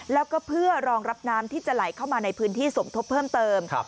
แล้วก็เพื่อรองรับน้ำที่จะไหลเข้ามาในพื้นที่สมทบเพิ่มเติม